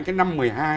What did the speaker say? cái năm một mươi hai